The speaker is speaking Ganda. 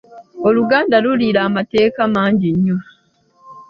Oluganda lulira amateeka mangi nnyo.